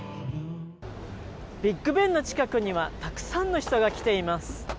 ビッグ・ベンの近くにはたくさんの人が来ています。